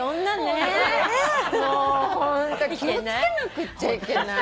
もうホント気を付けなくっちゃいけない。